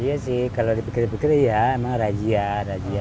iya sih kalau dipikir pikir ya emang rajia razia